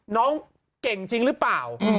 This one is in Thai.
น้องเก่งจริงหรือเปล่า